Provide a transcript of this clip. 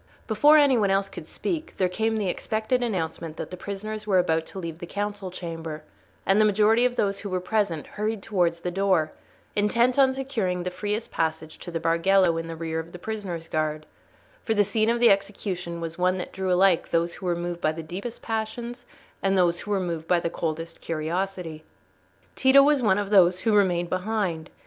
Before any one else could speak, there came the expected announcement that the prisoners were about to leave the council chamber; and the majority of those who were present hurried towards the door, intent on securing the freest passage to the Bargello in the rear of the prisoners' guard; for the scene of the execution was one that drew alike those who were moved by the deepest passions and those who were moved by the coldest curiosity. Tito was one of those who remained behind.